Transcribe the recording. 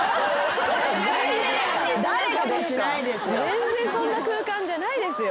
全然そんな空間じゃないですよ。